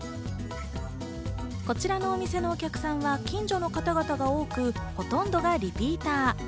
こちらのお店のお客さんは近所の方々が多く、ほとんどがリピーター。